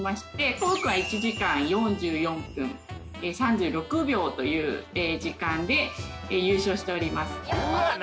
コブくんは１時間４４分３６秒という時間で優勝しております。